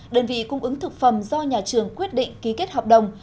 đơn vị cung ứng thực phẩm do nhà trường quyết định ký kết hợp đồng